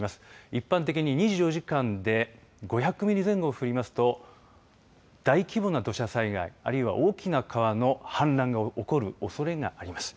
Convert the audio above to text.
一般的に２４時間で５００ミリ前後降りますと大規模な土砂災害あるいは大きな川の氾濫が起こるおそれがあります。